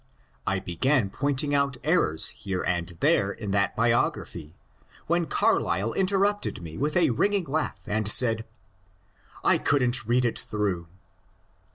' I began pointing out errors here and there in that biography, when Carlyle interrupted me with a ringing laugh and said, ^I could n't read it through.'